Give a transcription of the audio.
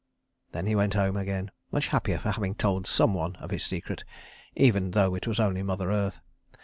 Then he went home again, much happier for having told some one of his secret, even though it was only Mother Earth.